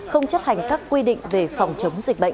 không chấp hành các quy định về phòng chống dịch bệnh